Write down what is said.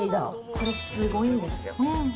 これすごいんですよ。